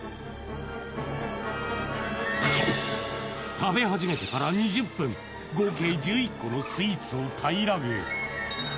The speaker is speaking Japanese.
食べ始めてから２０分合計１１個のスイーツを平らげ